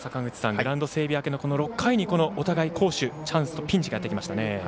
グラウンド整備明けの６回にお互い、攻守、チャンスとピンチがやってきましたね。